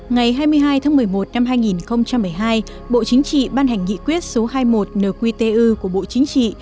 ngày hai mươi hai tháng một mươi một năm hai nghìn một mươi hai bộ chính trị ban hành nghị quyết số hai mươi một nqtu của bộ chính trị